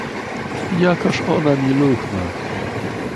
"jakaż ona miluchna!"